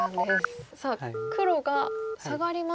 さあ黒がサガりましたね。